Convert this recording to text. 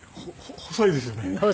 細いですよね。